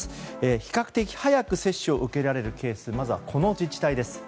比較的早く接種を受けられるケース、まずはこの自治体です。